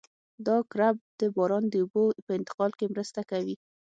دا کرب د باران د اوبو په انتقال کې مرسته کوي